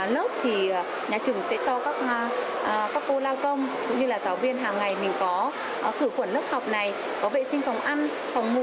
lớp thì nhà trường sẽ cho các cô lao công cũng như là giáo viên hàng ngày mình có khử khuẩn lớp học này có vệ sinh phòng ăn phòng ngủ